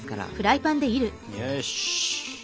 よし。